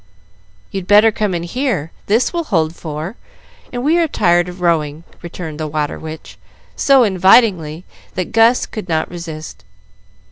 "You'd better come in here, this will hold four, and we are tired of rowing," returned the "Water Witch," so invitingly that Gus could not resist.